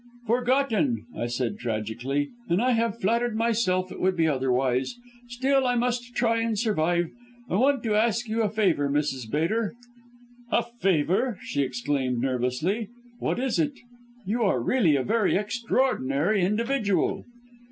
"'Forgotten!' I said tragically, 'and I had flattered myself it would be otherwise. Still I must try and survive. I wanted to ask you a favour, Mrs. Bater.' "'A favour!' she exclaimed nervously, 'what is it? You are really a very extraordinary individual.'